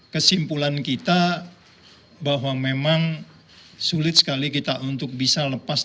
kesimpulan kita bahwa memang sulit sekali kita untuk bisa lepas